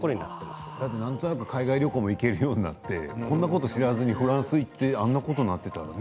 なんとなく海外旅行も行けるようになってこんなことを知らずにフランスに行ってあんなことになっていたら。